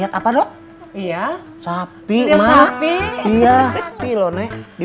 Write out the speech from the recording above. apa sih ward